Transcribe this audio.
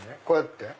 こうやって？